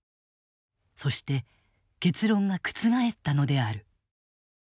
そして結論が覆ったのである。